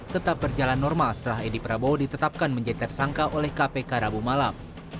tetap berjalan normal setelah edi prabowo ditetapkan menjadi tersangka oleh kpk rabu malam